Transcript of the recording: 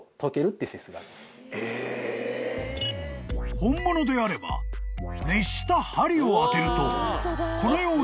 ［本物であれば熱した針を当てるとこのように］